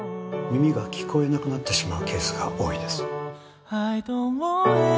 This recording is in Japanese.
耳が聞こえなくなってしまうケースが多いです